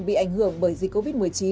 bị ảnh hưởng bởi dịch covid một mươi chín